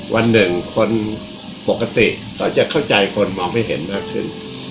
วันหนึ่งคนปกติก็จะเข้าใจคนมองไม่เห็นมากขึ้น